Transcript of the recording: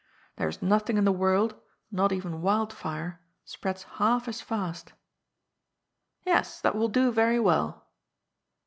There's nothing in the world — not even wildfire — spreads half as fast." " Yes, that will do very well."